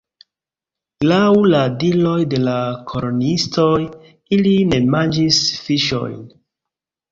Laŭ la diroj de la koloniistoj, ili ne manĝis fiŝojn.